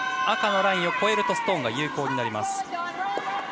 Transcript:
赤のラインを越えるとストーンが有効になります。